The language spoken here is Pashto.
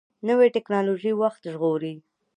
نوې ټکنالوژي وخت ژغوري